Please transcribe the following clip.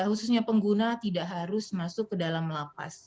khususnya pengguna tidak harus masuk ke dalam lapas